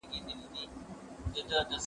زه به اوږده موده بازار ته تللی وم!!